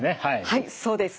はいそうです。